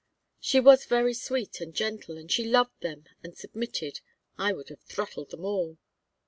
She was very sweet and gentle, and she loved them and submitted (I would have throttled them all).